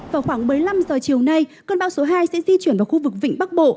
vào khoảng một mươi năm giờ chiều nay cơn bão số hai sẽ di chuyển vào khu vực vịnh bắc bộ